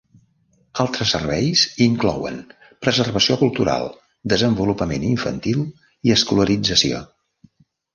Altres serveis inclouen preservació cultural, desenvolupament infantil i escolarització.